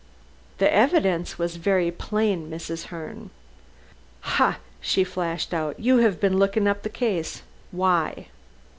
"The evidence was very plain, Mrs. Herne." "Ah!" she flashed out, "you have been looking up the case. Why?"